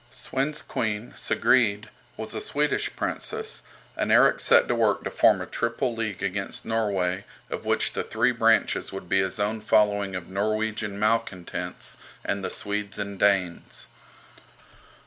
Svend's queen, Sigrid, was a Swedish princess, and Erik set to work to form a triple league against Norway of which the three branches would be his own following of Norwegian malcontents and the Swedes and Danes.